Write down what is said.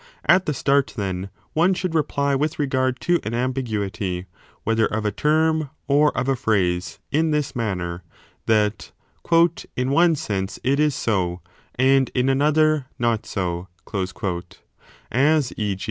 At the start, then, one should reply with regard to an ambiguity, whether of a term or of a phrase, in this manner, that in one sense it is so, and in another not so , as e.